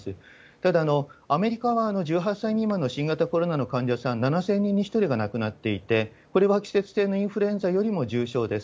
ただ、アメリカは１８歳未満の新型コロナの患者さん７０００人に１人が亡くなっていて、これは季節性インフルエンザよりも重症です。